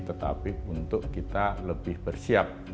tetapi untuk kita lebih bersiap